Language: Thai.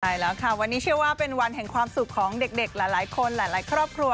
ใช่แล้วค่ะวันนี้เชื่อว่าเป็นวันแห่งความสุขของเด็กหลายคนหลายครอบครัว